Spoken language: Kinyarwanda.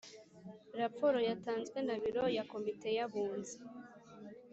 Raporo yatanzwe na biro ya komite y abunzi